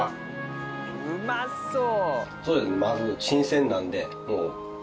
うまそう！